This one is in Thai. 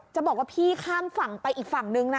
จะบอกว่าพี่ข้ามฝั่งไปอีกฝั่งนึงนะ